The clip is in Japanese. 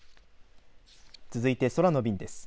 続いて、空の便です。